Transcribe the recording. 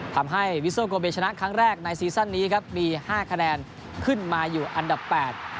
ทำให้วิโซโกเบชนะครั้งแรกในซีซั่นนี้ครับมีห้าคะแนนขึ้นมาอยู่อันดับแปด